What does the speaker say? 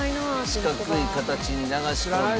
四角い形に流し込んで。